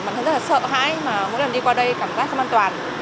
mình rất là sợ hãi mà mỗi lần đi qua đây cảm giác không an toàn